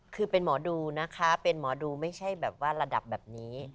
คือเป็นหมอดูนะคะเป็นหมอดูไม่ใช่แบบว่าระดับแบบนี้